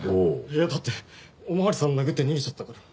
いやだってお巡りさんを殴って逃げちゃったから。